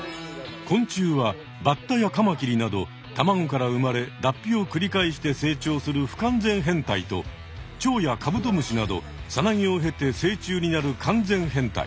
昆虫はバッタやカマキリなどたまごから生まれ脱皮をくり返して成長する不完全変態とチョウやカブトムシなどさなぎを経て成虫になる完全変態